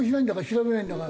調べないんだか